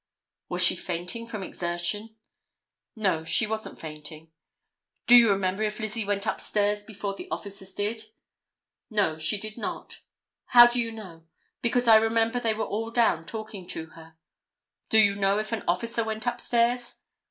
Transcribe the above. "Was she fainting from exertion?" "No, she wasn't fainting." "Do you remember if Lizzie went upstairs before the officers did?" "No, she did not." "How do you know?" "Because I remember they were all down talking to her." "Do you know if an officer went up stairs?"